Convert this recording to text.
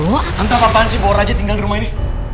tante apa apaan si bu raja tinggal di rumah ini